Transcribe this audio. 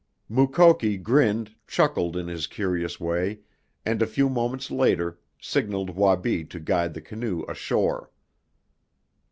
Mukoki grinned, chuckled in his curious way, and a few moments later signaled Wabi to guide the canoe ashore.